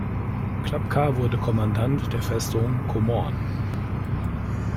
Klapka wurde Kommandant der Festung Komorn.